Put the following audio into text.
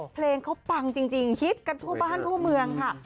เพลงเขาปังจริงฮิตกันทั่วบ้านทั่วเมืองค่ะ